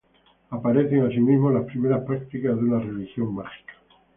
Aparecen, asimismo, las primeras prácticas de una religión mágica.